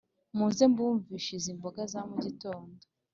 Muze mbumvishe izi mboga za mugitondo